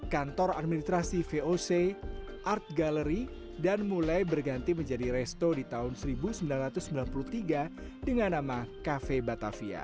kantor administrasi voc art gallery dan mulai berganti menjadi resto di tahun seribu sembilan ratus sembilan puluh tiga dengan nama cafe batavia